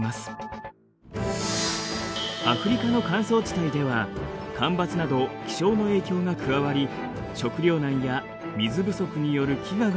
アフリカの乾燥地帯では干ばつなど気象の影響が加わり食糧難や水不足による飢餓が起こっています。